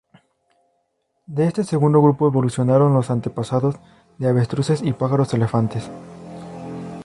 De este segundo grupo evolucionaron los antepasados de avestruces y pájaros elefante.